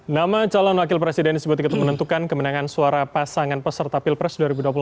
nama calon wakil presiden disebut untuk menentukan kemenangan suara pasangan peserta pilpres dua ribu dua puluh empat